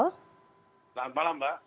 selamat malam mbak